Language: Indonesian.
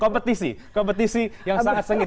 kompetisi kompetisi yang sangat sengit